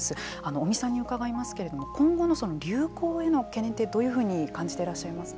尾身さんに伺いますけれども今後の流行への懸念ってどういうふうに感じていらっしゃいますか。